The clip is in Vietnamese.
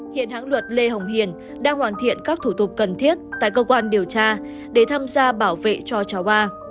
hiện hãng luật lê hồng hiền đang hoàn thiện các thủ tục cần thiết tại cơ quan điều tra để tham gia bảo vệ cho cháu ba